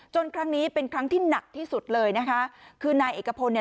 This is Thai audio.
ครั้งนี้เป็นครั้งที่หนักที่สุดเลยนะคะคือนายเอกพลเนี่ย